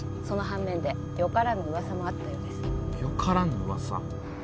その反面でよからぬ噂もあったようですよからぬ噂？